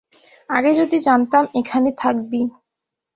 আগে যদি জানতাম এখানে থাকবি।